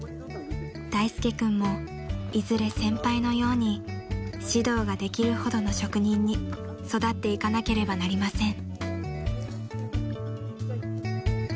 ［大介君もいずれ先輩のように指導ができるほどの職人に育っていかなければなりません］